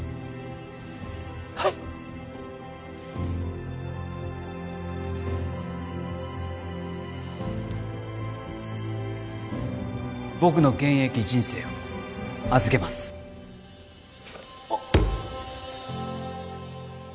はい僕の現役人生を預けますあっ